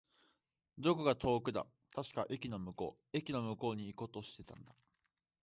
どこか遠くだ。確か、駅の向こう。駅の向こうに行こうとしたんだ。